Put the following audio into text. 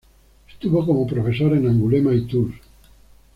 Estuvo como profesor en Angulema y Tours.